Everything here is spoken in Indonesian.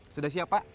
sudah siap pak